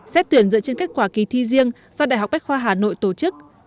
xét tuyển dựa trên kết quả kỳ thi riêng do đại học bách khoa hà nội tổ chức